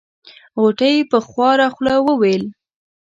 غوټۍ په خواره خوله وويل.